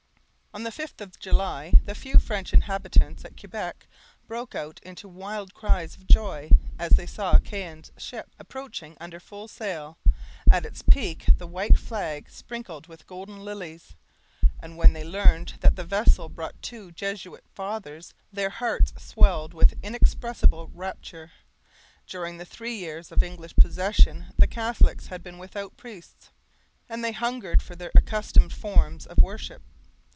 On the 5th of July the few French inhabitants at Quebec broke out into wild cries of joy as they saw Caen's ship approaching under full sail, at its peak the white flag sprinkled with golden lilies; and when they learned that the vessel brought two Jesuit fathers, their hearts swelled with inexpressible rapture. During the three years of English possession the Catholics had been without priests, and they hungered for their accustomed forms of worship.